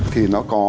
thì nó có